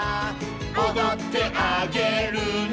「おどってあげるね」